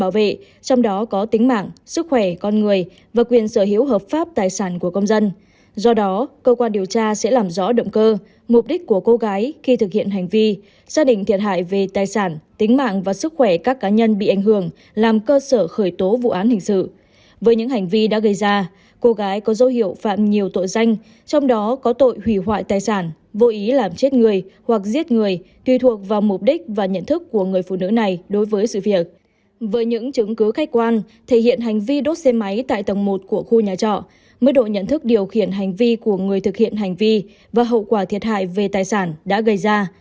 với những chứng cứ khách quan thể hiện hành vi đốt xe máy tại tầng một của khu nhà trọ mức độ nhận thức điều khiển hành vi của người thực hiện hành vi và hậu quả thiệt hại về tài sản đã gây ra